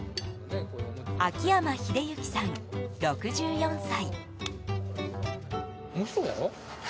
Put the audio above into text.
秋山秀行さん、６４歳。